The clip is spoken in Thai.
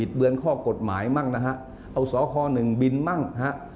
บิดเบื้อนข้อกฎหมายมั่งนะครับเอาสค๑บินมั่งนะครับ